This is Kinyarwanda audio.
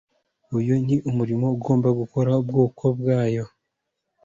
Uyu ni umurimo ugomba gukorwa n’ubwoko bwayo